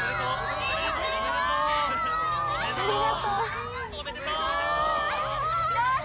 「」ありがとう。